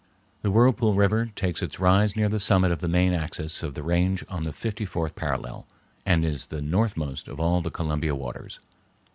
The Whirlpool River takes its rise near the summit of the main axis of the range on the fifty fourth parallel, and is the northmost of all the Columbia waters.